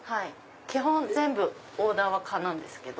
基本全部オーダーは可なんですけど。